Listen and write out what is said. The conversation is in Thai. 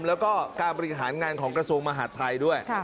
แล้วก็การบริหารงานของกระทรวงมหาดไทยด้วย